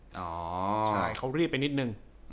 อ๋อใช่เขารีบไปนิดนึง